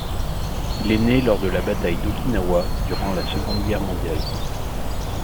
Il est né lors de la bataille d'Okinawa, durant la seconde guerre mondiale.